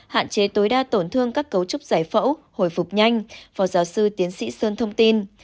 hạn chế tối đa tổn thương các cấu trúc giải phẫu hồi phục nhanh phó giáo sư tiến sĩ sơn thông tin